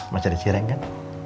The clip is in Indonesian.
masak di siring kan